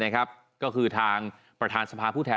ก็คือทางประธานสภาผู้แทน